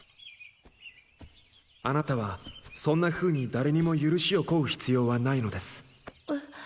あなたはそんなふうに誰にも許しを請う必要はないのです。え？